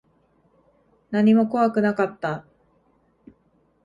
何も怖くなかった。